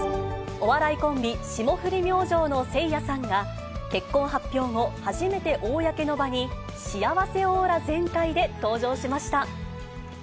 お笑いコンビ、霜降り明星のせいやさんが結婚発表後、初めて公の場に幸せオーラ全開で登場しました。